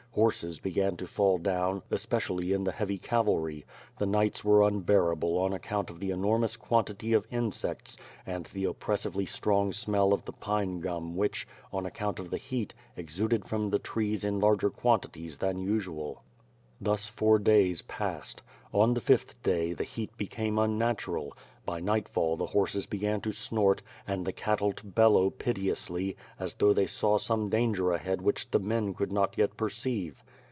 Horses be gan to fall down, especially in the heavy cavalry; the nights were unbearable on account of the enormous quantity of in sects and the oppressively strong smell of the pine gum which, on account of the heat, exuded from the trees in larger quantities than usual. Thus four days passed. On the fifth day, the heat became unnatural. By nightfall, the horses began to snort, and the cattle to bellow piteously, as though they saw some danger ahead which the men could not yet perceive.